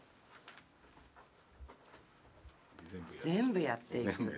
全部やってる。